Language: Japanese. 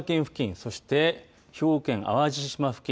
そして兵庫県、淡路島付近